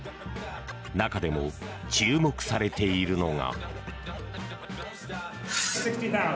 中でも注目されているのが。